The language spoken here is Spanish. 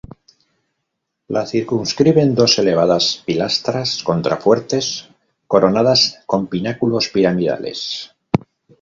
La circunscriben dos elevadas pilastras-contrafuertes coronadas con pináculos piramidales.